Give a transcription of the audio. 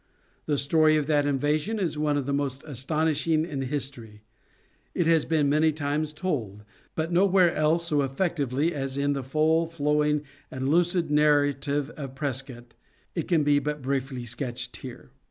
The story of that invasion is one of the most astonishing in history. It has been many times told, but nowhere else so effectively as in the full, flowing, and lucid narrative of Prescott. It can be but briefly sketched here.